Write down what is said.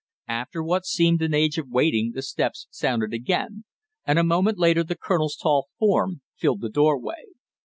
After what seemed an age of waiting the steps sounded again, and a moment later the colonel's tall form filled the doorway.